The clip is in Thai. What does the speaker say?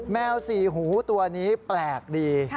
แมวสี่หูตัวนี้แปลกดี